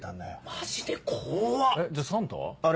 マジで？